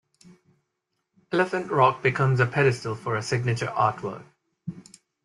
Elephant rock becomes a pedestal for a signature artwork.